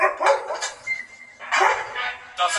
ايا موږ پوره طبيعي سرچينې په واک کې لرو؟